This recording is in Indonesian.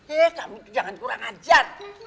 eh kamu jangan kurang ajar